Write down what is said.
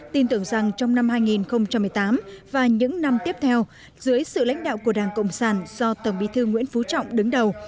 tin tưởng rằng trong năm hai nghìn một mươi tám và những năm tiếp theo dưới sự lãnh đạo của đảng cộng sản do tổng bí thư nguyễn phú trọng đứng đầu